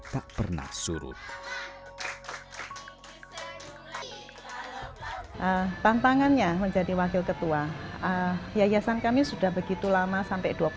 tak pernah surut tantangannya menjadi wakil ketua yayasan kami sudah begitu lama sampai